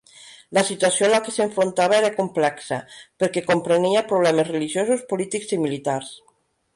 La situació a la que s'enfrontava era complexa, perquè comprenia problemes religiosos, polítics i militars.